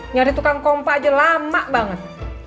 nyari tukang pompa aja lama banget